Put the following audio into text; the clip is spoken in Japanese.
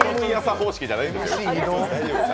方式じゃないんだよ。